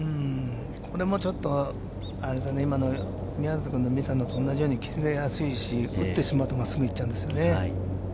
これもちょっと、今の宮崎君の見たのと同じで切れやすいし、打ってしまうと真っすぐ行ってしまうんですよね。